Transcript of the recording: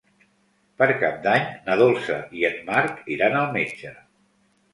Per Cap d'Any na Dolça i en Marc iran al metge.